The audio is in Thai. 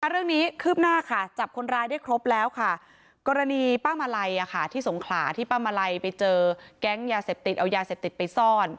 คืบหน้าค่ะจับคนร้ายได้ครบแล้วค่ะกรณีป้ามาลัยที่สงขลาที่ป้ามาลัยไปเจอแก๊งยาเสพติดเอายาเสพติดไปซ่อน